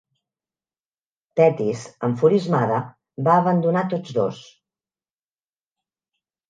Tetis, enfurismada, va abandonar tots dos.